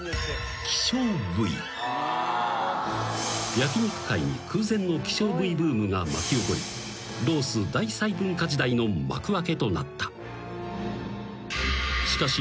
［焼肉界に空前の希少部位ブームが巻き起こりロース大細分化時代の幕開けとなった］